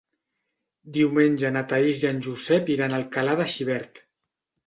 Diumenge na Thaís i en Josep iran a Alcalà de Xivert.